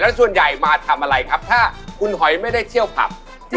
ส่วนใหญ่มาทำอะไรครับถ้าคุณหอยไม่ได้เที่ยวผับ